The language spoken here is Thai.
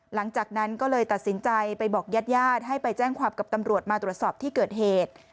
หลังจากนั้นก็เลยตัดสินใจไปบอกญาติญาติให้ไปแจ้งความกับตำรวจมาตรวจสอบที่เกิดเหตุ